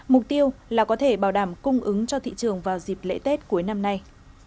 mục tiêu là có thể bảo đảm cung ứng cho thị trường vào dịp lễ tết cuối năm nay